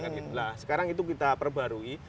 nah sekarang itu kita perbarui